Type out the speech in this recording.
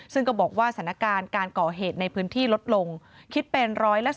ซึ่งก็บอกว่าสถานการณ์การก่อเหตุในพื้นที่ลดลงคิดเป็น๑๒